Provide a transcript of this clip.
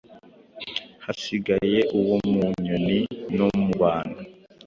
Hasigaye uwo mu nyoni no mu bantu.